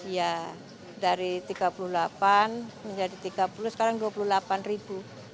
ya dari tiga puluh delapan menjadi tiga puluh sekarang dua puluh delapan ribu